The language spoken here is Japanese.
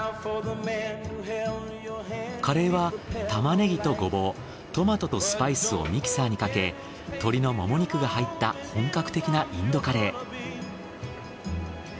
カレーはタマネギとゴボウトマトとスパイスをミキサーにかけ鶏のもも肉が入った本格的なインドカレー。